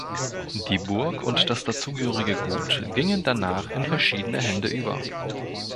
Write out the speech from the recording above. Die Burg und das dazugehörige Gut gingen danach in verschiedene Hände über.